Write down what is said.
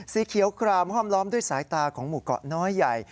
สีเขียวครามห้อมล้อมด้วยสายตาของหมู่เกาะน้อยใหญ่